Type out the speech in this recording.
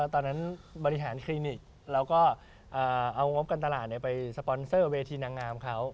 ตอนนั้นบริหารคลินิกแล้วก็เอางบการตลาดไปสปอนเซอร์เวทีนางงามเขา